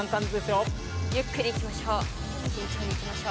ゆっくりいきましょう。